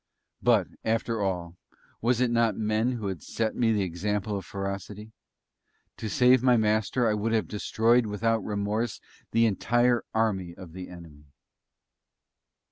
But after all, was it not men who had set me the example of ferocity? To save my Master I would have destroyed without remorse the entire army of the enemy!